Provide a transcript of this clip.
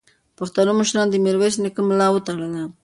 پښتنو مشرانو د میرویس نیکه ملا وتړله.